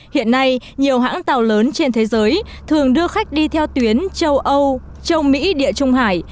hiện nay nhiều hãng tàu lớn trên thế giới thường đưa khách đi theo tuyến châu âu châu mỹ địa trung hải